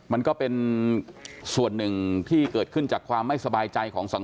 มันก็เป็นส่วนหนึ่งที่เกิดขึ้นจากความไม่สบายใจของสังคม